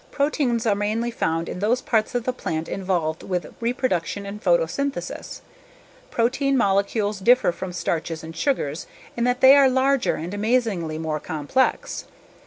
Proteins are mainly found in those parts of the plant involved with reproduction and photosynthesis. Protein molecules differ from starches and sugars in that they are larger and amazingly more complex.